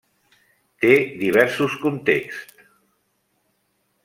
Té diversos contexts.